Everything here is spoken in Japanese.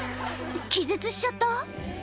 気絶しちゃった？